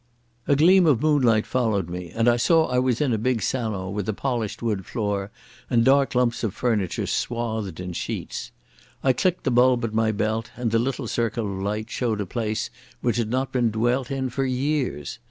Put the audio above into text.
A gleam of moonlight followed me and I saw I was in a big salon with a polished wood floor and dark lumps of furniture swathed in sheets. I clicked the bulb at my belt, and the little circle of light showed a place which had not been dwelt in for years.